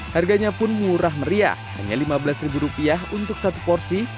harganya pun murah meriah hanya lima belas rupiah untuk satu porsi